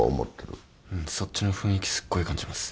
うんそっちの雰囲気すっごい感じます。